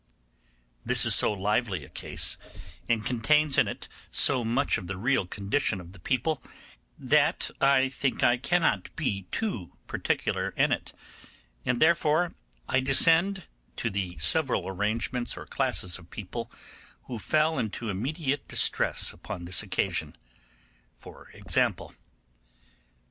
This is so lively a case, and contains in it so much of the real condition of the people, that I think I cannot be too particular in it, and therefore I descend to the several arrangements or classes of people who fell into immediate distress upon this occasion. For example: 1.